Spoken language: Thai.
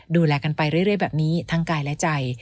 ดูแลกันไปเรื่อยแบบนี้ทั้งกายและใจ